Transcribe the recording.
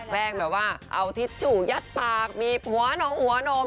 แกล้งแบบว่าเอาทิชชุยัดปากมีหัวหนมหัวหนม